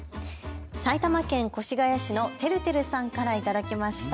埼玉県越谷市のてるてるさんから頂きました。